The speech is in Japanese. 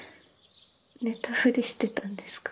寝たふりしてたんですか？